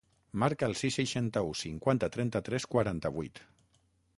Marca el sis, seixanta-u, cinquanta, trenta-tres, quaranta-vuit.